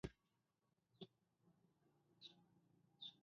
رسنۍ کله ناکله دا ویره نوره هم پیاوړې کوي.